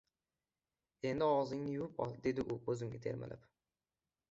— Endi og‘zingni yuvib ol, — dedi u ko‘zimga termilib. —